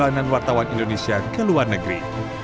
perjalanan wartawan indonesia ke luar negeri